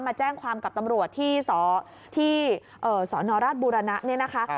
มาแจ้งความกับตำรวจที่สนราชบุรณะเนี่ยนะคะ